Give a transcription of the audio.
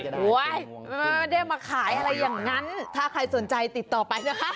ไม่ได้มาขายอะไรอย่างนั้นถ้าใครสนใจติดต่อไปนะคะ